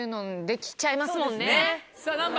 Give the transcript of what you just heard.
何番？